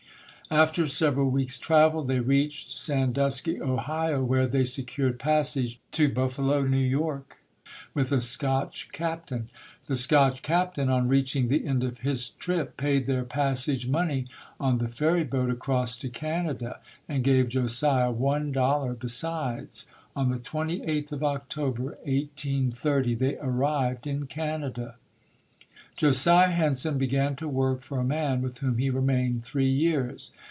After several weeks' travel they reached Sandusky, Ohio, where they secured passage to Buffalo, New York, with a Scotch captain. The Scotch captain, on reaching the end of his trip, paid their passage money on the ferry boat across to Canada and gave Josiah one dollar besides. On the twenty eighth of Oc tober, 1830, they arrived in Canada. Josiah Henson began to work for a man with whom he remained three years.